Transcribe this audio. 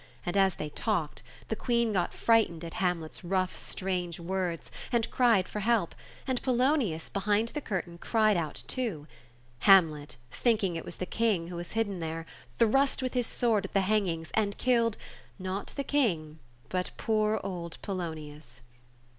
And as they talked, the Queen got frightened at Hamlet's rough, strange words, and cried for help, and Polonius, behind the curtain, cried HAMLET. 47 out too. Hamlet, thinking it was the King who was hidden there, thrust with his sword at the hangings, and killed, not the King, bui poor old Polonius.